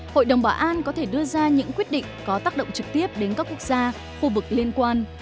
hội đồng bảo an có thể đưa ra những quyết định có tác động trực tiếp đến các quốc gia khu vực liên quan